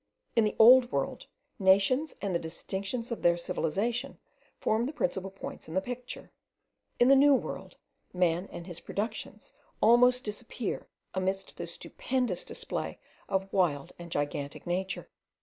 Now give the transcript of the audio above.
In the Old World, nations and the distinctions of their civilization form the principal points in the picture; in the New World, man and his productions almost disappear amidst the stupendous display of wild and gigantic nature.